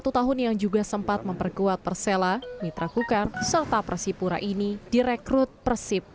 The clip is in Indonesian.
satu tahun yang juga sempat memperkuat persela mitra kukar serta persipura ini direkrut persib